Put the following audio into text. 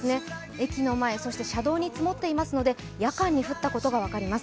駅の前、そして車道に積もっていますので夜間に降ったことが分かります。